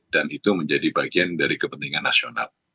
dan itu menjadi bagian dari kepentingan nasional